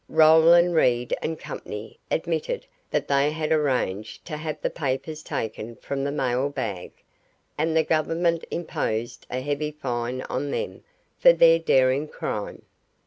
Roland, Reed & Company admitted that they had arranged to have the papers taken from the mailbag, and the government imposed a heavy fine on them for their daring crime.